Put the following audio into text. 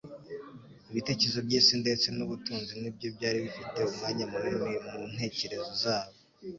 Ibitekerezo by'isi ndetse n'ubutunzi ni byo byari bifite umwanya munini mu ntekerezo zabo.